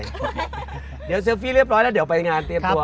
เดี๋ยวเซลฟี่เรียบร้อยแล้วเดี๋ยวไปงานเตรียมตัว